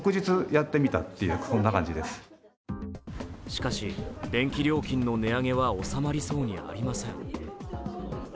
しかし、電気料金の値上げは収まりそうにありません。